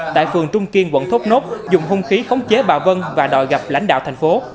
tại phường trung kiên quận thốt nốt dùng hung khí khống chế bà vân và đòi gặp lãnh đạo thành phố